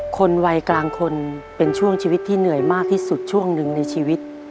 คนวัยกลางคนเป็นช่วงชีวิตที่เหนื่อยมากที่สุดช่วงหนึ่งในชีวิต